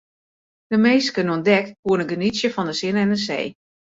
De minsken oan dek koene genietsje fan de sinne en de see.